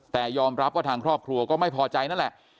แต่ยอมรับว่าทางครอบครัวก็ไม่พอใจนั่นแหละ